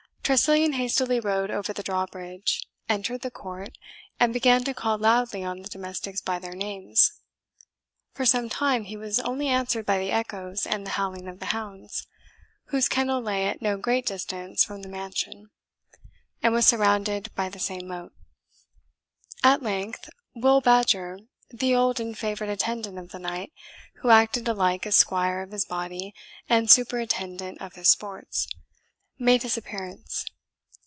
Tressilian hastily rode over the drawbridge, entered the court, and began to call loudly on the domestics by their names. For some time he was only answered by the echoes and the howling of the hounds, whose kennel lay at no great distance from the mansion, and was surrounded by the same moat. At length Will Badger, the old and favourite attendant of the knight, who acted alike as squire of his body and superintendent of his sports, made his appearance.